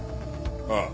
ああ。